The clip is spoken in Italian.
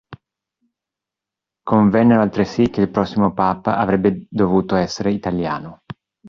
Convennero altresì che il prossimo papa avrebbe dovuto essere italiano.